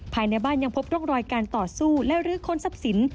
ภายในบ้านยังพบร่องรอยการต่อสู้และรื้อค้นทรัพย์สิน